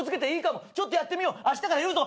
「ちょっとやってみようあしたから言うぞ」